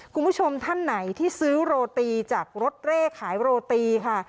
คุณผู้ชมท่านไหนที่ซื้อโรตีจากรถเร่ขายโรตีค่ะ